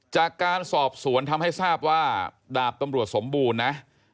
จากการสอบสวนทำให้ทราบว่าดาบตำรวจสมบูรณ์นะ